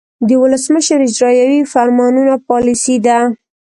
د ولسمشر اجراییوي فرمانونه پالیسي ده.